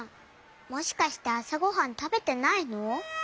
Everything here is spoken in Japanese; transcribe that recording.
もしかしてあさごはんたべてないの？